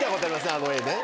あの画ね。